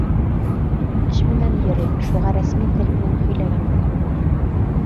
— Эш менән йөрөйөм, шуға рәсми тел менән һөйләгән булам.